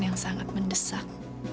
yang sangat mendesak